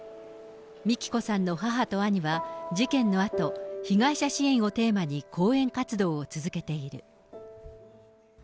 美希子さんの母と兄は、事件のあと、被害者支援をテーマに講演活動を続けている。